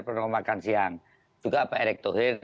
pernah makan siang juga pak erek tohir